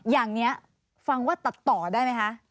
อย่างนี้ฟังว่าตัดต่อได้ไหมคะ